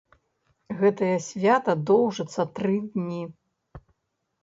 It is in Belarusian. Гэтае свята доўжыцца тры дні.